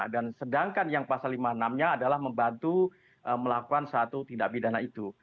dan sedangkan yang pasal lima puluh enam nya adalah membantu melakukan satu tindak pidana itu